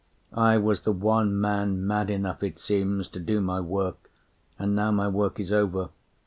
I was the one man mad enough, it seems, To do my work; and now my work is over.